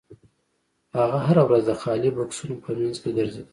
هغه هره ورځ د خالي بکسونو په مینځ کې ګرځیده